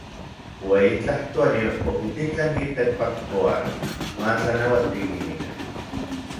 Ueyi Tlajtoani okititlanki Tekpatkoatl matlanauatiki nikan.